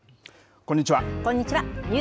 こんにちは。